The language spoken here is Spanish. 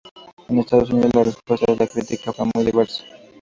En Estados Unidos la respuesta de la crítica fue muy diversa.